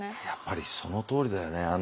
やっぱりそのとおりだよね。